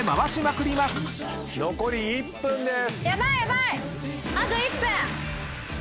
残り１分です。